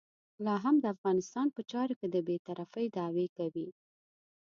لا هم د افغانستان په چارو کې د بې طرفۍ دعوې کوي.